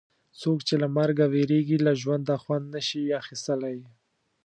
څوک چې له مرګ وېرېږي له ژونده خوند نه شي اخیستلای.